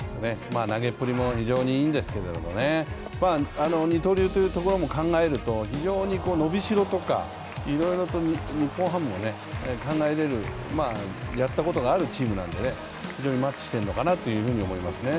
投げっぷりも非常にいいんですけど、二刀流というところも考えると、非常に伸び代とか、いろいろと日本ハムも考えられる、やったことがあるチームなので非常にマッチしているのかなというふうに思いますね。